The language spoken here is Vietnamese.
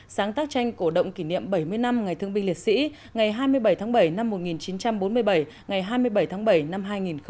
sáng tác tranh cổ động kỷ niệm bảy mươi năm ngày thương binh liệt sĩ ngày hai mươi bảy tháng bảy năm một nghìn chín trăm bốn mươi bảy ngày hai mươi bảy tháng bảy năm hai nghìn một mươi chín